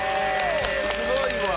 すごいわ！